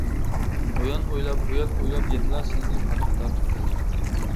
ئۇيان ئويلاپ، بۇيان ئويلاپ يەنىلا سىلىنى پاناھ تارتىپ كەلدىم.